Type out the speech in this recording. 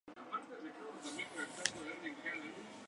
El vencedor, Vicente Trueba, pasó la mayoría de las cimas en cabeza.